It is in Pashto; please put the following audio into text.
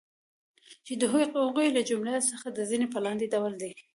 چی د هغو له جملی څخه د ځینی په لاندی ډول دی